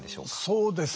そうですね。